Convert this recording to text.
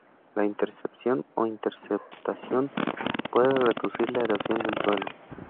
La intercepción o interceptación puede reducir la erosión del suelo.